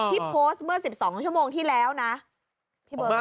ที่โพสเมื่อ๑๒ชั่วโมงที่แล้วนะ